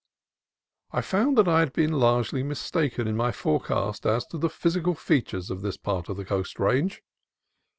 I found that I had been largely mistaken in my forecast as to' the physical features of this part of the Coast Range.